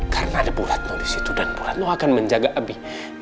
karena ada bu retno disitu dan bu retno akan menjaga abi